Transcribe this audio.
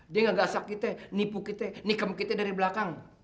dia gak gasak kita nipu kita nikam kita dari belakang